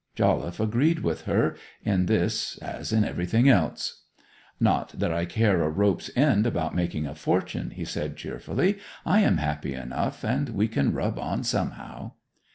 Jolliffe agreed with her, in this as in everything else. 'Not that I care a rope's end about making a fortune,' he said cheerfully. 'I am happy enough, and we can rub on somehow.